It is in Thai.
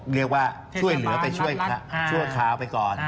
เรียกว่าช่วยเหลือไปช่วยชั่วคราวไปก่อน